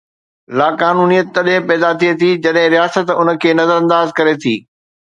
لاقانونيت تڏهن پيدا ٿئي ٿي جڏهن رياست ان کي نظرانداز ڪري ٿي.